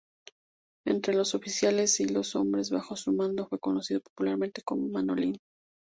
Entre los oficiales y hombres bajo su mando fue conocido popularmente como "Manolín".